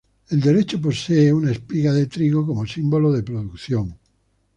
El derecho posee una espiga de trigo, como símbolo de producción.